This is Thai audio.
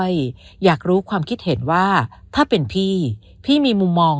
อยากรู้ความคิดเห็นว่าถ้าเป็นพี่พี่มีมุมมอง